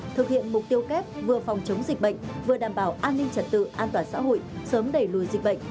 thực hiện mục tiêu kép vừa phòng chống dịch bệnh vừa đảm bảo an ninh trật tự an toàn xã hội sớm đẩy lùi dịch bệnh